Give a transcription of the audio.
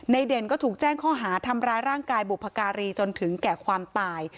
เด่นก็ถูกแจ้งข้อหาทำร้ายร่างกายบุพการีจนถึงแก่ความตาย